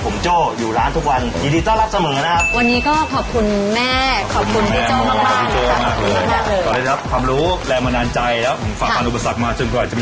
ผมโจ้อยู่ร้านทุกวันยินดีต้อนรับเสมอนะครับ